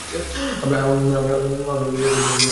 আমারো একটি চাকরি হবে, নাহয় দুটো, অথবা তিনটা।